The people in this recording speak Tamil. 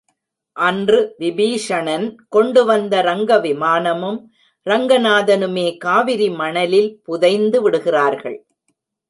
அன்று விபீஷணன் கொண்டு வந்த ரங்க விமானமும், ரங்கநாதனுமே காவிரி மணலில் புதைந்து விடுகிறார்கள்.